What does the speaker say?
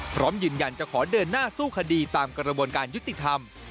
พร้อมยืนยันจะขอเดินหน้าสู้คดีตามกระบวนการยุติธรรม